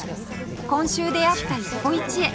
今週出会った一歩一会